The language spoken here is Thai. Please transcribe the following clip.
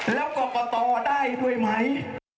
แล้วกรกตได้ด้วยไหม